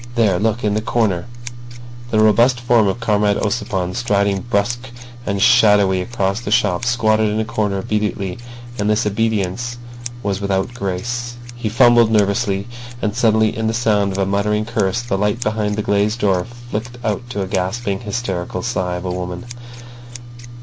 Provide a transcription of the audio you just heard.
There. Look. In that corner." The robust form of Comrade Ossipon, striding brusque and shadowy across the shop, squatted in a corner obediently; but this obedience was without grace. He fumbled nervously—and suddenly in the sound of a muttered curse the light behind the glazed door flicked out to a gasping, hysterical sigh of a woman.